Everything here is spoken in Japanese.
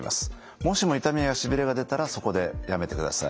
もしも痛みやしびれが出たらそこでやめてください。